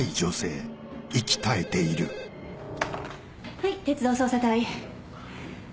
はい鉄道捜査隊。